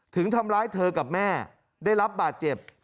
ถึงทำร้ายเธอกับแม่ได้รับบาดเจ็บ